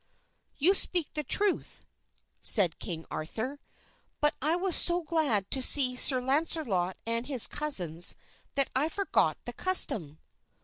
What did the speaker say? "You speak the truth," said King Arthur, "but I was so glad to see Sir Launcelot and his cousins that I forgot the custom."